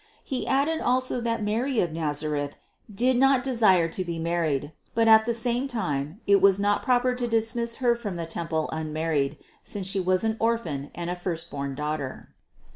He added also that Mary of Nazareth did not desire to be mar ried; but that at the same time it would not be proper to dismiss Her from the temple unmarried, since She was an orphan and a firstborn daughter.